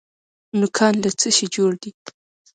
نوکان له څه شي جوړ دي؟